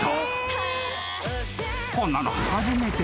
［こんなの］